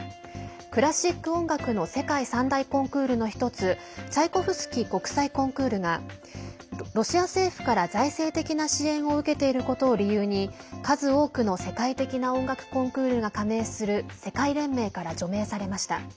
クラシック音楽の世界３大コンクールの１つ「チャイコフスキー国際コンクール」がロシア政府から財政的な支援を受けていることを理由に数多くの世界的な音楽コンクールが加盟する世界連盟から除名されました。